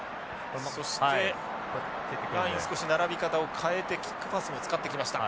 そして一旦少し並び方を変えてキックパスを使ってきました。